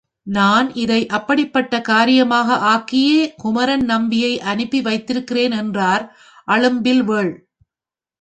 நான் இதை அப்படிப் பட்ட காரியமாக ஆக்கியே குமரன் நம்பியை அனுப்பி வைத்திருக்கிறேன் என்றார் அழும்பில்வேள்.